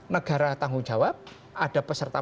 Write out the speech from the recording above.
negara tanggung jawab ada peserta